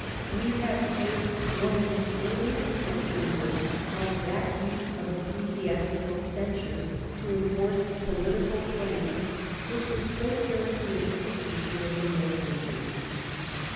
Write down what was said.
We have here one of the earliest in stances of that use of ecclesiastical censures to enforce political claims which was so characteristic a feature of the Middle Ages.